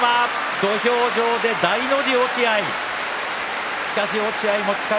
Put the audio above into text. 土俵上で大の字の落合。